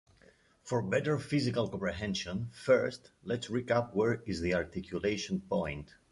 For better physical comprehension, first, let’s recap where is the articulation point.